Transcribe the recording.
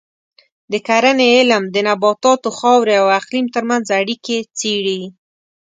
د کرنې علم د نباتاتو، خاورې او اقلیم ترمنځ اړیکې څېړي.